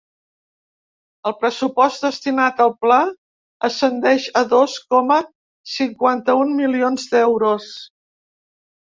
El pressupost destinat al pla ascendeix a dos coma cinquanta-un milions d’euros.